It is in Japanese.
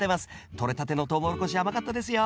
とれたてのトウモロコシ甘かったですよ。